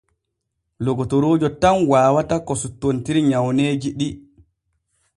Lokotoroojo tan waawata ko suttontiri nyawneeji ɗi.